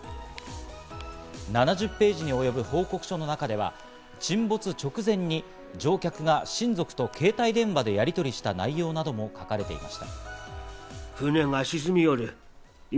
７０ページに及ぶ報告書の中では、沈没直前に乗客が親族と携帯電話でやりとりした内容なども書かれていました。